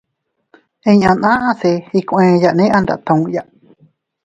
Inña naʼa se iykueyane a ndatuya.